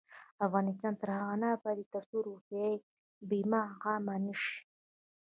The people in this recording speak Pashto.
افغانستان تر هغو نه ابادیږي، ترڅو روغتیايي بیمه عامه نشي.